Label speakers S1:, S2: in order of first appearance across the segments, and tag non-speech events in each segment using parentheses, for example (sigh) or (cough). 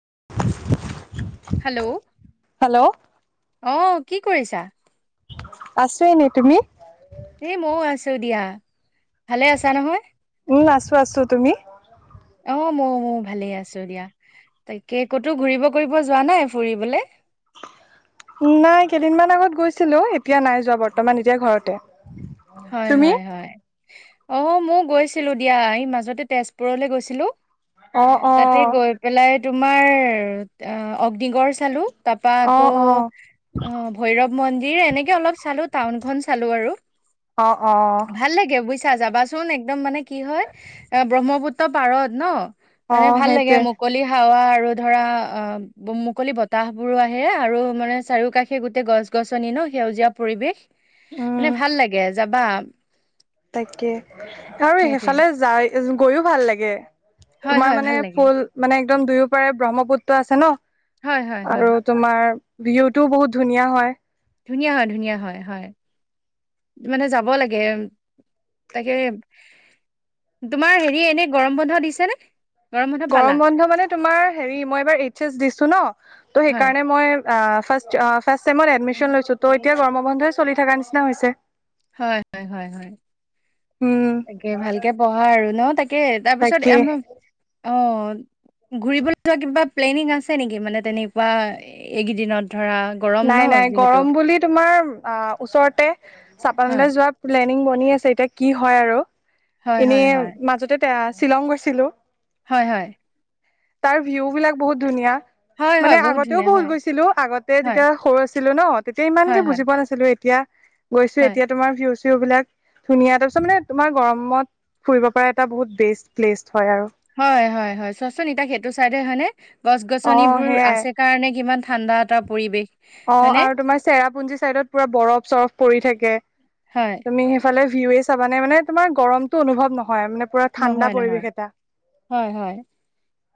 S1: (unintelligible)
S2: Hello
S1: hello
S2: অ' কি কৰিছা?
S1: আছো এনে তুমি?
S2: এ মইও আছো দিয়া। ভালে আছা নহয়?
S1: আছোঁ আছোঁ, তুমি?
S2: অ' ময়ো ময়ো ভালেই আছো দিয়া। তাকে ক'তো ঘূৰিব কৰিব যোৱা নাই ফুৰিবলে? (inaudible)
S1: নাই কেইদিনমান আগত গৈছিলোঁ এতিয়া নাই যোৱা বৰ্তমান এতিয়া ঘৰতে।
S2: হয়
S1: তুমি
S2: হয় হয়। অ মই গৈছিলোঁ দিয়া এই মাজতে তেজপুৰলৈ গৈছিলোঁ।
S1: অ অ
S2: তাতে গৈ পেলাই তোমাৰ অ অগ গ্নিগড় চালো তাৰপা
S1: অ
S2: আকৌ
S1: অ
S2: অ ভৈৰৱ মন্দিৰ এনেকে অলপ চালো। টাউনখন চালো আৰু।
S1: অ' অ'।
S2: ছা যাবাচোন একদম মানে কি হয় অ ব্ৰহ্মপুত্ৰ পাৰত ন
S1: অ
S2: মানে ভাল লাগে
S1: সেইটোৱে
S2: মুকলি হাৱা আৰু ধৰা অ মুকলি বতাহ বোৰো আহে আৰু মানে চাৰিও কাষে গোটেই গছ গছনি ন সেউজীয়া পৰিৱেশ মানে
S1: উম
S2: ভাল লাগে যাবা।
S1: তাকে, আৰু
S2: সেইটোৱে
S1: সেইফালে যাই গৈও ভাল লাগে।
S2: হয়
S1: তোমাৰ
S2: হয় ভাল
S1: মানে
S2: লাগে
S1: ফুল মানে একদম দুয়ো পাৰে ব্ৰহ্মপুত্ৰ আছে ন
S2: হয় হয় হয়
S1: আৰু তোমাৰ ভিউটোও বহুত ধুনীয়া হয়।
S2: ধুনীয়া হয় ধুনীয়া হয় হয়। মানে যাব লাগে। তাকে তোমাৰ হেৰি এনে গৰম বন্ধ দিছেনে?
S1: গৰম বন্ধ মানে তোমাৰ হেৰি মই এইবাৰ এইচ এচ দিছো ন ত'
S2: হয়
S1: সেইকাৰণে মই অ ফাষ্ট জ - ফাষ্ট চেমত এডমিচন লৈছো ত' এতিয়া গৰমৰ বন্ধই চলি থাকা নিচিনা হৈছে।
S2: হয় হয় হয় হয়।
S1: উম
S2: তাকে ভালকে পঢ়া আৰু ন তাকে তাৰপিছত
S1: তাকে
S2: আম অ ঘুৰিবলৈ যোৱা কিবা প্লেনিং আছে নেকি মানে তেনেকুৱা এইকেইদিনত? ধৰা গৰম ন
S1: নাই নাই
S2: যিহেতু
S1: গৰম বুলি তোমাৰ অ ওচৰতে
S2: হয়
S1: চাপানলৈ যোৱা প্লেনিং বনি আছে এতিয়া কি হয় আৰু!
S2: হয়
S1: এনে
S2: হয় হয়
S1: মাজতে তে শ্বিলং গৈছিলো।
S2: হয় হয়।
S1: তাৰ ভিউ বিলাক বহুত ধুনীয়া
S2: হয় হয়
S1: মানে আগতেও
S2: ধুনীয়া
S1: বহুত
S2: হয়
S1: গৈছিলো আগতে
S2: হয়
S1: তিয়া সৰু আছিলো ন তেতিয়া
S2: হয়
S1: ইমানকে
S2: হয়
S1: বুজি পোৱা নাছিলো এতিয়া গৈছো
S2: হয়
S1: এতিয়া তোমাৰ ভিউজ ভিউ বিলাক ধুনীয়া তাৰপিছত মানে তোমাৰ গৰমত ফুৰিব পাৰা এটা বহুত বেষ্ট প্লেচ। হয় আৰু
S2: হয় হয় হয়। চোৱাচোন এতিয়া সেইটো চাইডে হয়নে গছ
S1: অ
S2: গছনিবোৰ
S1: সেয়াই
S2: আছে কাৰণে কিমান ঠাণ্ডা এটা পৰিৱেশ।
S1: অ
S2: হয়নে
S1: আৰু তোমাৰ চেৰাপুঞ্জি চাইডত পুৰা বৰফ চৰফ পৰি থাকে
S2: হয়
S1: তুমি সেইফালে ভিউৱে চাবানে মানে তোমাৰ গৰমতটো অনুভৱ নহ
S2: নহয় নহয়, হয় হয়।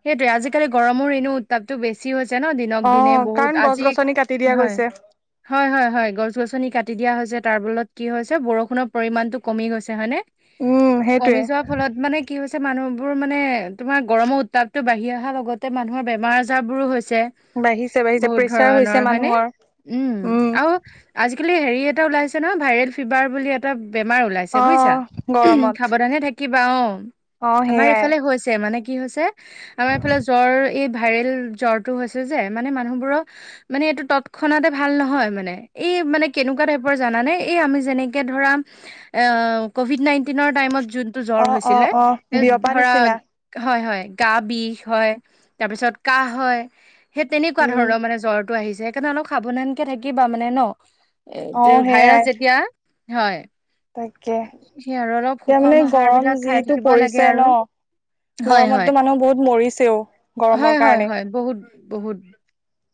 S2: সেইটোৱে, আজিকালি গৰমৰ এনেও তাপতো বেছি হৈছে ন দিনক
S1: অ
S2: দিনে
S1: কাৰণ
S2: বহুত
S1: গছ
S2: আজি
S1: গছনি কাটি দিয়া
S2: হয়।
S1: গৈছে
S2: হয় হয় হয়্ গছ গছনি কাটি দিয়া হৈছে তাৰ বলত কি হৈছে বৰষুণৰ পৰিমান টো কমি গৈছে হয় নে?
S1: উম, সেইটোৱে
S2: মানে কি হৈছে মানুহ বোৰ মানে তোমাৰ গৰমৰ উত্তাপতো বাঢ়ি অহা লগতে মানুহৰ বেমাৰ আজাৰ বোৰো হৈছে। ছে
S1: বাঢ়িছে বাঢ়িছে
S2: বহুত
S1: প্ৰেচাৰ হৈছে
S2: ধৰণৰ হয় নে?
S1: মানুহৰ
S2: উম, আৰু আজি কালি হেৰি এটা ওলাইছে নহয় ভাইৰেল ফিভাৰ বুলি বেমাৰ ওলাইছে
S1: অ
S2: বুইছা।
S1: গৰমত
S2: সাৱধানে থাক কিবা অ
S1: অ
S2: আমাৰ
S1: সেইয়াই
S2: এইফালে হৈছে মানে কি হৈছে আমাৰ এইফালে জ্বৰ এই ভাইৰেল জ্বৰটো হৈছে যে মানে মানুহবোৰৰ মানে এইটো তৎক্ষণাতে ভাল নহয় মানে এই এই মানে কেনেকুৱা টাইপৰ জানানে এই আমি যেনেকে ধৰা অ কভিদ নাইনটিনৰ টাইমত যু টো
S1: অ
S2: জ্বৰ
S1: অ
S2: হৈছিলে
S1: অ বিয়পা
S2: ধৰা,
S1: নিচিনা
S2: হয় হয়। গা বিষ হয়, তাৰপিছত কাহ হয় সেই তেনেকুৱা
S1: উম
S2: ধৰণৰ মানে জ্বৰ টো আহিছে সেইকাৰণে অলপ সাৱধানকে থাকিবা মানে ন
S1: অ
S2: এ ভাইৰাছ
S1: সেইয়াই
S2: যেতিয়া। হয়।
S1: তাকে
S2: সেইয়াই আৰু অলপ
S1: এতিয়া মানে
S2: সুষম আহাৰ
S1: গৰম
S2: বিলাক খাই
S1: যিটো
S2: থাকিব লাগে
S1: পৰিছে ন
S2: আৰু। হয়
S1: গৰমততো
S2: হয়,
S1: মানুহ বহুত মৰিছেও গৰমৰ
S2: হয় হয়
S1: কাৰণে
S2: হয় বহুত বহুত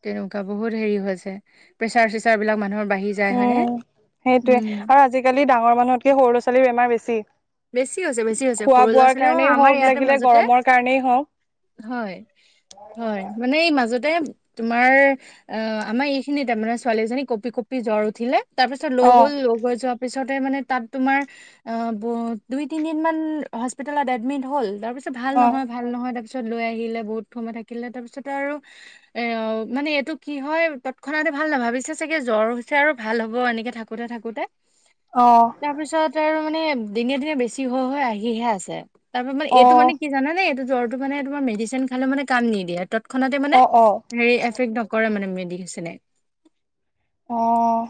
S2: তেনেকুৱা বহুত হেৰি হৈছে প্ৰেচাৰ চেচাৰ বিলাক মানুহৰ বাঢ়ি যায় হয়নে
S1: উম সেইটয়ে,
S2: উম
S1: আৰু আজিকালি ডাঙৰ মানুহতকে সৰু ল'ৰা ছোৱালীৰ বেমাৰ বেছি।
S2: বেছি হৈছে বেছি হৈছে
S1: খোৱা
S2: সৰু ল'ৰা
S1: বোৱাৰ
S2: ছোৱালীৰ, অ
S1: কাৰণেই
S2: আমাৰ
S1: হওক
S2: ইয়াতে
S1: লাগিলে
S2: মাজতে
S1: গৰমৰ কাৰণেই হওক
S2: হয় হয় মানে এই মাজ তে তোমাৰ অ আমাৰ এইখিনিতে, মানে ছোৱালী এজনী কঁপি কঁপি জ্বৰ উঠিলে তাৰপিছত লৈ
S1: অ
S2: গল, লৈ গৈ যোৱাৰ পিছতে মানে তাত তোমাৰ অ ব দুই তিনি দিন মান হস্পিতেলত এডমিট হল, তাৰপিছ ত ভাল
S1: অ
S2: নহয় ভাল নহয় তাৰপি ছত লৈ আহিলে বহুত সময় থাকিলে, তাৰপিছত আৰু এ মানে এইটো কি হয় তৎক্ষণতে ভাল ন ভাবিছো চাগে জ্বৰ হৈছে আৰু ভাল হ'ব এনেকে থাকোতে থাকোতে
S1: অ
S2: তাৰপিছত আৰু মানে দিনে দিনে বেছি হৈ হৈ আহিহে আছে। তাৰপৰা মানে এইটো মানে
S1: অ
S2: কি জানেনে এইটো জ্বৰটো মানে তোমাৰ মেডিচিন খালে মানে কাম নিদিয়ে, তৎ ক্ষনাতে মানে
S1: অ অ
S2: হেৰি এফেক্ট নকৰে মানে মেডিচনে।
S1: অঁ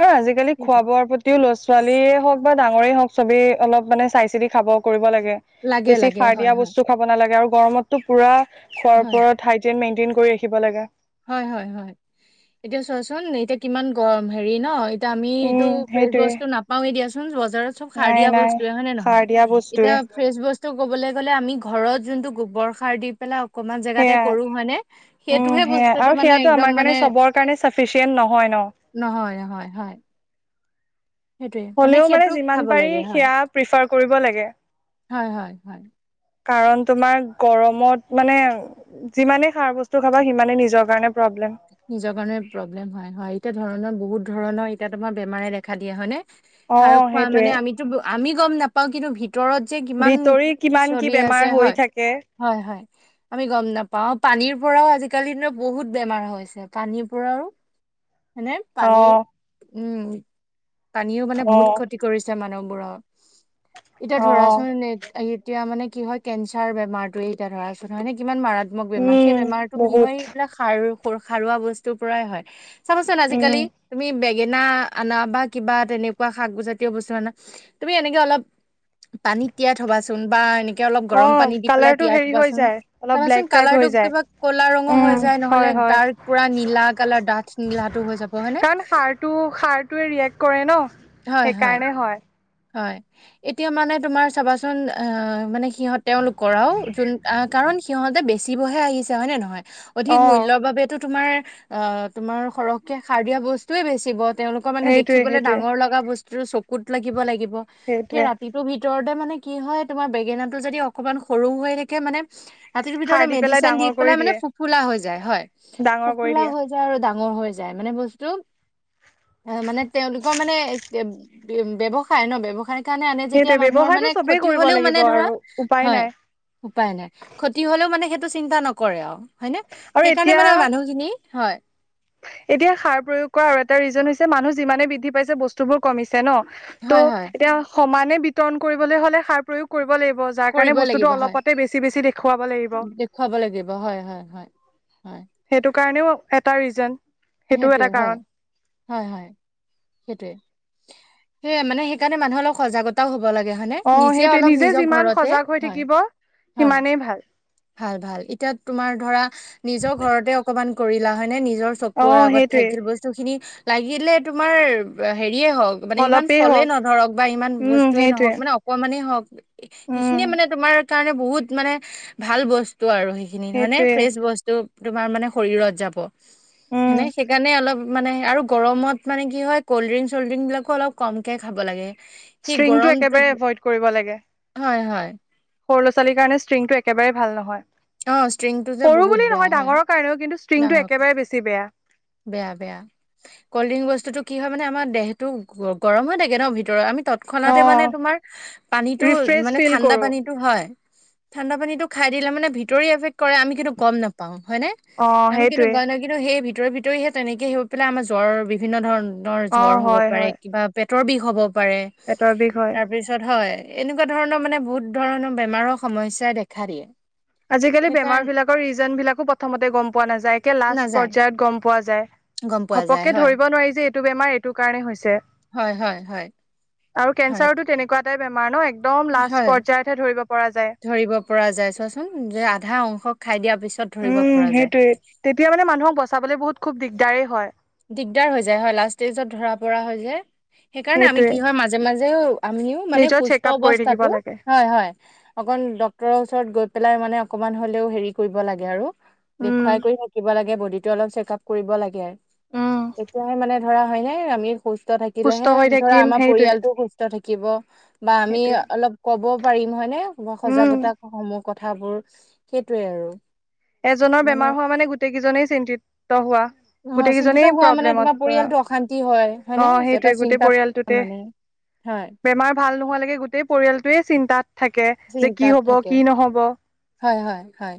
S1: আৰু আজিকালি
S2: সেইটোৱে।
S1: খোৱাবোৱাৰ প্ৰতিও লৰা ছোৱালীয়ে হওক বা ডাঙৰেই হওক চবেই অলপ মানে চাই চিতি খোৱবোৱা কৰিব লাগ গে
S2: লাগে
S1: বেছি
S2: লাগে
S1: সাৰ
S2: হয়
S1: দিয়া
S2: হয়
S1: বস্তু খাব নালাগে আৰু গৰমটো পোৰা খোৱাৰ
S2: হয়
S1: ওৰত হাইজিন মেণ্টেইন কৰি ৰাখিব লগে।
S2: হয় হয় হয়, এতিয়া চোৱাচোন এতিয়া কিমান গৰম হেৰি ন? এ তিয়া আমি এইটো
S1: উম
S2: ফ্ৰেচ
S1: সেইটোৱে
S2: বস্তু নাপাওৱেই দিয়াচোন, ব জাৰত চব সাৰ
S1: নাই
S2: দিয়া
S1: নাই
S2: বস্তৱে হয় নে
S1: সাৰ
S2: নহয়।
S1: দিয়া
S2: এতিয়া
S1: বস্তুৱে
S2: ফ্ৰেছ বস্তু ক'বলৈ গ'লে আমি ঘৰত যোনটো গোবৰ সাৰ দি পেলাই অকমান জেগাতে
S1: সেয়াই
S2: কৰো হয় নে?
S1: উম
S2: সেইটোহে বস্তু
S1: সেয়াই
S2: টো
S1: আৰু
S2: মানে
S1: সেয়াটো
S2: একদম
S1: আমাৰ
S2: মানে,
S1: কাৰণে চবৰ কাৰণে চাফিচিয়েণ্ট নহয় ন
S2: নহয় নহয় হয়। সেইটোৱে
S1: হ'লেও মানে
S2: সেইটোক
S1: যিমান
S2: চাব
S1: পাৰি
S2: লাগে হয়,
S1: সেয়া প্ৰিফাৰ কৰিব লাগে।
S2: হয় হয় হয়।
S1: কাৰণ তোমাৰ গৰমত মানে যিমানে খাৰ বস্তু খাবা সিমানে নিজৰ কাৰণে প্ৰব্লেম
S2: নিজৰ কাৰণ প্ৰব্লেম হয়, হয় এতিয়া ধৰণৰ বহুত ধৰণৰ এতিয়া তোমাৰ বেমাৰে দেখা দিয়া হয় নে?
S1: অ
S2: খাৰ খোৱা
S1: সেইটোৱে
S2: মানে আমিতো আমি গ'ম নাপাও কিন্তু ভিত- তৰত যে কিমান
S1: ভিতৰি কিমান কি
S2: চলি
S1: বেমাৰ
S2: আছে,
S1: হৈ
S2: হয়
S1: থাকে
S2: হয় হয়। আমি গম নাপাও পানীৰ পৰাও আজিকালি দিনত বহুত বেমাৰ হয়। পানীৰ পৰাও মানে
S1: অ
S2: পানীৰ উম পানীও মানে বহুত
S1: অ
S2: ক্ষতি কৰিছে মানুহবোৰক। এতিয়া ধৰাচোন এতিয়া মানে- কি হয় কেঞ্চাৰ বেমাৰটো এতিয়া ধৰা চোন হয় নে কিমান মাৰাত- মক বেমাৰ, সেই
S1: উম
S2: বেমাৰটো কি হয়
S1: বহুত
S2: সেইবিলাক সাৰ সাৰুৱা বস্তুৰ পৰাই হয়। চাবা চোন
S1: উম
S2: আজিকালি তুমি বে- ঙেনা আনা বা কিবা তেনেকুৱা শাকজাতীয় বস্তু আনা তুমি এনেকে অলপ পানীত তিয়াই থবাচোন বা এনে- কে অলপ
S1: অ
S2: গৰম পানী দি পেলাই
S1: কালাৰটো
S2: তিয়াই
S1: হেৰি হৈ
S2: থবাচোন
S1: যায় অলপ
S2: চাবাচোন
S1: ব্লেক টাইপ
S2: কালাৰটো
S1: হৈ যায়
S2: কিবা ক'লা ৰঙৰ হৈ
S1: উম
S2: যায় নহ'লে
S1: হয় হয়
S2: তাৰ পুৰা নীলা কালাৰ ডাঠ নীলাটো হৈ যাব হয়নে?
S1: কাৰণ সাৰটো সাৰটোৱে ৰিয়েক্ট কৰে ন সেইকাৰণে হয়।
S2: হয়, এতিয়া মানে তোমাৰ চাবাচোন অ মানে সিহঁত তেওঁলোকৰ আও যোন আ কাৰ কাৰণ সিহঁতে বেছিবহে আহিছে হয় নে নহয়? অধিক
S1: অ
S2: মূল্যৰ বাবেতো তোমাৰ অ তোমাৰ সৰহকে সাৰ দিয়া বস্তুয়ে বেছিব। তেওঁলোকৰ মানে
S1: সেইটোৱে
S2: দেখিবলৈ
S1: সেইটোৱে
S2: ডাঙৰ লগা বস্তু চকুত লাগিব লাগিব সেই
S1: সেইটোৱে
S2: ৰাতিটোৰ ভিতৰত তে মানে কি হয় তোমাৰ বেঙেনা টো যদি অকমান সৰু হৈ থাকে মানে ৰাতিটো
S1: সাৰ
S2: ভিতৰতে
S1: পেলাই
S2: মেডিচিন দি
S1: ডাঙৰ
S2: পেলাই
S1: কৰি
S2: মানে
S1: দিয়ে
S2: ফুফুলা হৈ যাই হয়,
S1: ডাঙৰ কৰি
S2: ফুফুলা
S1: দিয়ে
S2: হয় যাই আৰু ডা- ডাঙৰ হৈ যায়, মানে বস্তু এ মানে তেওঁলোকৰ মানে ব্যৱসায় ন ব্যৱসায় স কাৰণে আনে যেতিয়া
S1: সেইটোৱে
S2: মানুহৰ মানে
S1: ব্যৱসায়টো চবেই
S2: ক্ষতি
S1: কৰিব
S2: হলেও মানে
S1: লাগিব
S2: ধৰা
S1: আৰু উপায়
S2: হয়
S1: নাই
S2: উপায় নাই ক্ষতি হলেও মানে টো চিন্তা নকৰে আৰু হয় ন
S1: আৰু
S2: সেইকাৰণে মানে
S1: এতিয়া
S2: মানুহখিনি হয়
S1: এতিয়া সাৰ প্ৰয়োগ কৰা আৰু এটা ৰিজন হৈছে মানুহ যিমানে বৃদ্ধি পাইছে বস্তু বোৰ কমিছে ছে ন
S2: হয় হয়
S1: ত' এতিয়া সমানে বিতৰণ কৰিবলৈ হলে সাৰ প্ৰয়োগ কৰিব লাগিব। যাৰ কাৰণে
S2: কৰিব লাগিব
S1: বস্তুটো
S2: হয়
S1: অলপতে বেছি বেছি দেখুৱাব লাগিব।
S2: দেখুৱাব লাগিব হয় হয় হয় হয়
S1: সেইটো কাৰণেও এটা ৰিজন। সেইটোও
S2: সেইটোৱে
S1: এটা
S2: হয়
S1: কাৰণ
S2: হয় হয় সেইটোৱে সেইয়ে মানে সেইকাৰণে মানুহৰ অলপ সজাগতাও হ'ব। হয়নে
S1: অ
S2: নিজে
S1: সেইটোৱে
S2: অলপ নিজৰ
S1: যিমান
S2: ঘৰতে
S1: সজাগ হৈ
S2: হয়
S1: থাকিব
S2: হয়
S1: সিমানেই ভাল
S2: ভাল ভাল এতিয়া তোমাৰ ধৰা নিজৰ ঘৰতে অকমান কৰিলা হয় নে নিজৰ
S1: অ
S2: চকুৰ আগত
S1: সেইটোৱে
S2: থাকিল বস্তু খিনি লাগিলে তোমাৰ হেৰ- হেৰিয়ে হওক মানে ইমান
S1: অলপেই
S2: ফলেই
S1: হওক
S2: নধৰক বা ইমান
S1: উম
S2: বস্তুৱয়ে
S1: সেইটোৱে
S2: নহওক মানে অকমানেই হওক।
S1: উম
S2: সেইখিনিয়ে মানে তোমাৰ কাৰণে বহুত মানে ভাল বস্ত- আৰু সেইখিনি হয় নে
S1: সেইটোৱে
S2: ফ্ৰেচ বস্তু তোমাৰ মানে শৰীৰত যাব।
S1: উম
S2: হানে সেইকাৰণে অলপ মানে আৰু গৰমত মানে কি হয় ক'ল্ড ড্ৰিং চল্ড ড্ৰিংকবিলাকো অলপ কমকে খাব লাগে। সি
S1: ষ্ট্ৰিংটো একেবাৰে
S2: গৰমটোত
S1: এভইড কৰিব লাগে
S2: হয় হয়।
S1: সৰু ল'ৰা ছোৱালীৰ কাৰণে ষ্ট্ৰিংটো একেবাৰেই ভাল নহয়
S2: অ ষ্ট্ৰিংটো যে
S1: সৰু
S2: বহুত
S1: বুলিয়ে
S2: বেয়া
S1: নহয়
S2: হয়
S1: ডাঙৰৰ কাৰণেও কিন্তু- ষ্ট্ৰিংটো
S2: ডাঙৰ
S1: একেবাৰে বেছি বেয়া
S2: বেয়া বেয়া কল্ড ড্ৰিংক বস্তুতটো কি হয় মানে আমাৰ দেহতটো গৰম হৈ থাকে ন ভিতৰ আমি তৎক্ষণাতে মানে
S1: অ',
S2: তোমাৰ পানীতটো
S1: ৰিফ্ৰেছ
S2: মানে
S1: ফিল
S2: ঠাণ্ডা
S1: কৰো
S2: পানীটো হয়। ঠাণ্ডা পানীটো খাই দিলে মানে ভিতৰে এফেক্ট কৰে আমি কিন্তু গম নাপাওঁ হয়নে
S1: অ
S2: আমি কিন্তু
S1: সেইটোৱে
S2: গ ন কিন্তু সেই ভিতৰে ভিতৰেহে তেনেকে হৈ পেলাই আমাৰ জ্বৰ বিভিন্ন ধৰণ
S1: অ
S2: জৰ হ'ব
S1: হয়
S2: পাৰে
S1: হয়
S2: কিবা পেটৰ বিষ হ'ব পাৰে
S1: পেটৰ বিষ হয়।
S2: তাৰ পিছত হয়। এনেকুৱা ধৰণৰ মানে বহুত ধৰণৰ বেমাৰৰ সমস্যাই দেখা দিয়ে।
S1: আজিকালি বেমাৰ
S2: সেইকাৰণে
S1: বিলাকৰ ৰিজন বিলাকো প্ৰথমতে গম পোৱা নাযায় একে লাষ্ট
S2: নাযায়
S1: পৰ্যয়ত গম পোৱা।
S2: গম পোৱা যায়
S1: ঘপকে
S2: হয়
S1: ধৰিব নোৱাৰি যে এইটো বেমাৰ এইটো কাৰণে হৈছে
S2: হয় হয় হয়
S1: আৰু
S2: হয়
S1: কেন্ঞ্চাৰতো তেনেকুৱা এটাই বেমাৰ ন এক একদম লাজ
S2: হয়
S1: পৰ্যায়তহে ধৰিব পৰা যায়।
S2: ফোন যে আধা অংশ খাই দিয়া।
S1: উম সেইটোয়ে তেতিয়া মানে মানুহক বচাবলে বহুত খুব দিগদাৰেই হয়।
S2: দিগদাৰ হৈ যায় হয় লাষ্ট ষ্টেজত ধৰা পৰা হৈ যায় সেইকাৰণে আমি
S1: সেইটোৱে
S2: কি হয় মাজে মাজেও আমিও মানে
S1: নিজৰ চেক
S2: সুস্থ
S1: আপ কৰি থাকিব
S2: অৱস্থাতো
S1: লাগে
S2: হয় হয় অকণ ড্ক্তৰৰ ওচৰত গৈ পেলাই মানে অকমান হলেও হেৰি কৰিব লাগে আৰু
S1: উম
S2: দেখুৱাই কৰি থাকিব লাগে বডি টো অলপ চেক আপ কৰিব লাগে
S1: উম
S2: তেতিয়াহে মানে ধৰা হয়নে আমি সুস্থ
S1: সুস্থ
S2: থাকিলেহে
S1: হৈ
S2: ধৰা
S1: থাকিম
S2: আমাৰ
S1: সেইটোৱে।
S2: পৰিয়ালটো সুস্থ থাকিল থিকিব বা আমি
S1: সেইটোৱে
S2: অলপ ক'বও পাৰিম হয়নে
S1: উম
S2: সজাগতা সমহ কথাবোৰ সেইটোৱে আৰু
S1: এজনৰ বেমাৰ হোৱা মানে গোটেই কেইজনেই চিন্তিত হোৱা
S2: অ
S1: গোটেই
S2: চিন্তিত
S1: কেইজনেই
S2: হোৱা মানে তোমাৰ
S1: প্ৰব্লেমত
S2: পৰিয়ালটো অশান্তি হয় হয়নে
S1: অ
S2: এটা
S1: সেইটোৱে গোটেই
S2: চিন্তাত থাকে
S1: পৰিয়ালটোতে
S2: মানে হয়
S1: বেমাৰ ভাল নোহোৱালৈকে গোটেই পৰিয়ালটোয়ে চিন্তাত থাকে যে কি
S2: চিন্তাত
S1: হব
S2: থাকে
S1: কি নহব?
S2: হয় হয় হয়।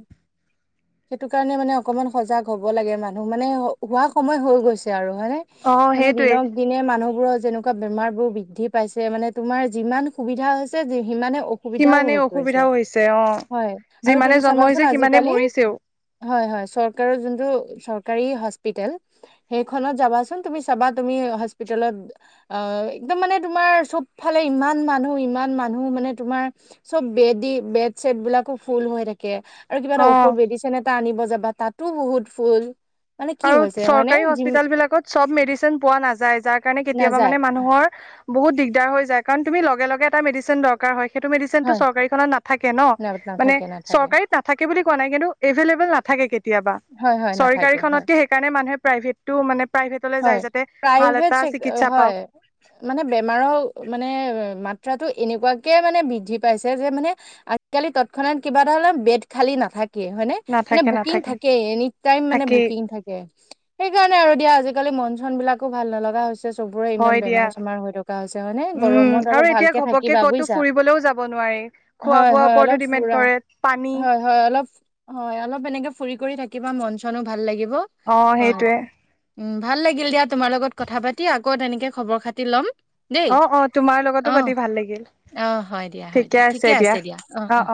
S2: সেইটো কাৰণে মানে অকমান সজাগ হব লাগে মানুহ মানে হোৱা সময় হৈ গৈছে আৰু হয় ন
S1: অ
S2: মানে
S1: সেইটোৱে
S2: দিনক দিনে মানুহ যেনেকুৱা বেমাৰ বোৰ বৃদ্ধি পাইছে মানে তোমাৰ যিমান সুবিধা হৈছে সিমানে অসুবিধাও
S1: সিমানেই
S2: হৈ পৰিছে
S1: অসুবিধাও হৈছে অ
S2: হয় আৰু
S1: যিমানে
S2: তুমি
S1: জন্ম হৈছে
S2: চাবাচোন
S1: সিমানে
S2: আজিকালি
S1: মৰিছেও
S2: হয় হয় চৰকাৰৰ যোনটো চৰকাৰী হস্পিতেল সেইখনত যাবাচোন তুমি চাবা তুমি হস্পিলতত অ এক্দম মানে তোমাৰ চব ফালে ইমান মানুহ ইমান মানুহ মানে তোমাৰ চব বেডী বেড চেট বিলাকো ফুল হৈ থাকে আৰু কিবা এটা
S1: অ
S2: ঔষধ বেড আনিব যাবা তাতো বহুত ফুল মানে কি
S1: আৰু
S2: হৈছে হয়নে
S1: চৰকাৰী
S2: জিম
S1: হস্পিতল বিলাকত চব মেডিচিন পোৱা নাযায় যাৰ কাৰণে কেতিয়াবা
S2: নাযায়
S1: মানে মানুহৰ বহুত দিগদাৰ হৈ যায় কাৰণ তুমি লগে লগে এটা মেডিচিন দৰকাৰ হয় সেইটো মেডিচিন টো
S2: হয়
S1: চৰকাৰীখনত নাথাকে ন মানে
S2: নাথাকে নাথাকে
S1: চৰকাৰীত নাথাকে বুলি কোৱা নাই কিন্তু এভেইলেবল নাথাকে থাকে কেতিয়াবা
S2: হয় হয় নাথাকে হয়।
S1: চৰকাৰীখনতকে সেইকাৰণে মানুহে প্ৰাইভেটটো মানে প্ৰাইভেটলৈ যায়
S2: হয়
S1: যাতে ভাল এটা চিকিৎসা
S2: হয়
S1: পাওক
S2: ম বেমাৰৰ মানে মাত্ৰ এনেকুৱাকে মানে বৃদ্ধি পাইছে যে মানে আজিকালি তৎক্ষণাত কিবা ধৰ বেদ খালি নাথাকে হয় ন মানে
S1: নাথাকে
S2: বুকিং
S1: নাথাকে
S2: থাকে এনি টাই মানে
S1: থাকেই
S2: বুকিং থাকে সেইকাৰণে আৰু দিয়া আজাল মন চন বিলাকো ভাল নলগা হৈছে চবৰে ইমান
S1: হয় দিয়া
S2: বেমাৰ চেমাৰ হৈ থকা হৈছে হয়নে
S1: উম
S2: গৰমত
S1: আৰু
S2: অলপ
S1: এতিয়া
S2: ভালকে
S1: ঘপককে
S2: থাকিবা
S1: ক'তো
S2: বুজিছা
S1: ফুৰিবলৈও যাব নোৱাৰি খোৱা
S2: হয়
S1: বোৱাৰ
S2: হয়
S1: ওপৰতো
S2: অলপ
S1: ডিপেণ্ড
S2: ফুৰা
S1: কৰে পানী
S2: হয় হয় অল হয় অলপ এনেকে ফুৰি কৰি থাক কিবা মন চনো ভাল লাগিব
S1: অ
S2: হয়‌।
S1: সেইটোয়ে
S2: উ ভাল লাগিল দিয়া তোমাৰ লগত কথা পাতি আকৌ তেনেকে খবৰ খাতি ল'ম। দেই
S1: অ অ তোমাৰ লগতো পাতি ভাল লাগিল
S2: আহ হয় দিয়া হয় দিয়া ঠিকে আছে দিয়া অ অ